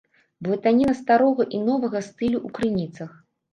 Блытаніна старога і новага стылю ў крыніцах.